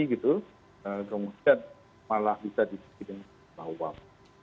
kemudian malah bisa diberikan kemahuan